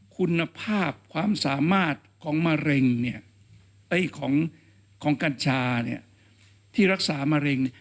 คุณภาพความสามารถของกัญชาที่รักษามะเร็ง